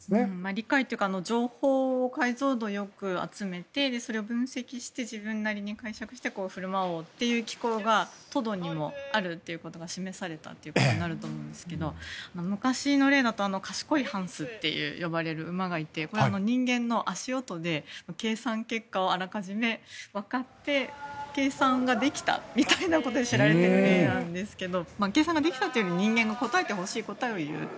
理解というか情報を解像度よく集めてそれを分析して自分なりに解釈して振る舞おうという機構がトドにもあるということが示されたということになると思うんですけど昔の例だと賢いハンスといわれる馬がいてこれは人間の足音で計算結果をあらかじめわかって計算ができたみたいなことで知られている例なんですが計算ができたというよりも人間が答えてほしい答えを言う。